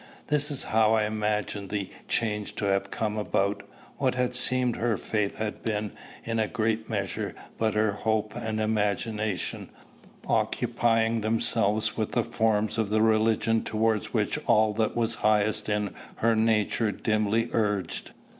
This is how I imagined the change to have come about: what had seemed her faith had been, in a great measure, but her hope and imagination, occupying themselves with the forms of the religion towards which all that was highest in her nature dimly urged.